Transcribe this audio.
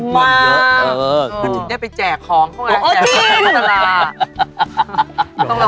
เคยได้ไปแจกของเข้ากับน้ำตาลา